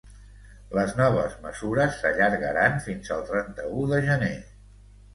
Les noves mesures s’allargaran fins el trenta-u de gener.